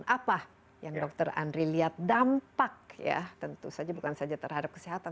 apa yang dokter andri lihat dampak ya tentu saja bukan saja terhadap kesehatan